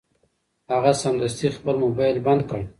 هغه سمدستي خپل مبایل بند کړ.